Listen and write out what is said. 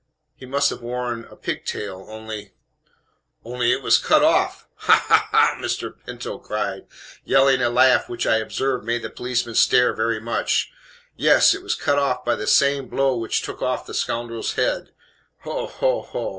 He must have worn a pigtail only " "Only it was CUT OFF! Ha, ha, ha!" Mr. Pinto cried, yelling a laugh, which I observed made the policeman stare very much. "Yes. It was cut off by the same blow which took off the scoundrel's head ho, ho, ho!"